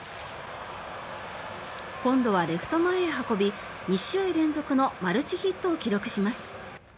今度はレフト前へ運び２試合連続のマルチヒットを記録します。